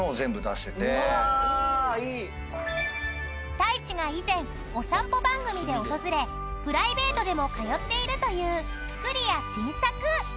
［太一が以前お散歩番組で訪れプライベートでも通っているという「厨しんさく」！］